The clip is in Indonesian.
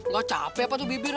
lo capek apa tuh bibir ya